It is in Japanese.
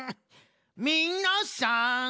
みなさん